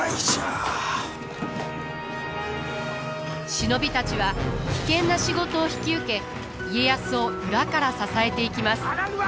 忍びたちは危険な仕事を引き受け家康を裏から支えていきます。